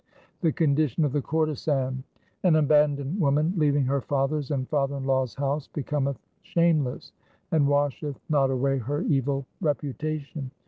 2 The condition of the courtesan :— An abandoned woman leaving her father's and father in law's house becometh shameless, and washeth not away her evil reputation.